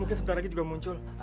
mungkin sebentar lagi dia akan muncul